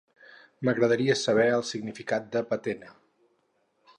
M'agradaria saber el significat de patena.